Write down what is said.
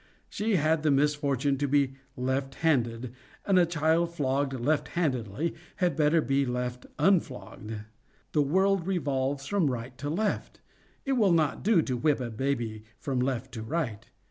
she had the misfortune to be left handed, and a child flogged left handedly had better be left unflogged. The world revolves from right to left. It will not do to whip a baby from left to right.